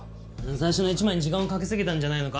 最初の１枚に時間をかけすぎたんじゃないのか。